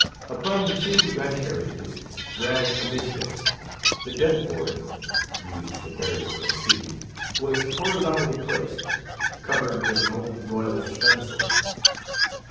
Upon two gun carriages, dragged amidships, the Death board (used for burials at sea) was horizontally placed, covered with an old royal stun' sail.